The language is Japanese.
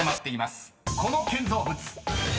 ［この建造物］